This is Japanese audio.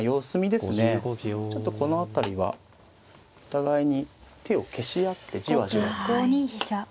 ちょっとこの辺りはお互いに手を消し合ってじわじわ。